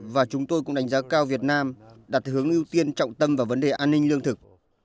và chúng tôi cũng đánh giá cao việt nam đặt hướng ưu tiên trọng tâm vào vấn đề an ninh lương thực